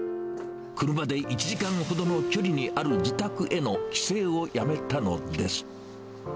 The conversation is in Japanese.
車で１時間ほどの距離にある自宅への帰省をやめたのです。